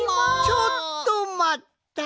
ちょっとまった！